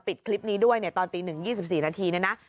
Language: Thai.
ปิดคลิปนี้ด้วยเนี่ยตอนตีหนึ่ง๒๔นาที